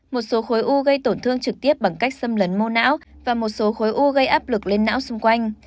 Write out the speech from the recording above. một số khối u gây tổn thương trực tiếp bằng cách xâm lấn mô não và một số khối u gây áp lực lên não xung quanh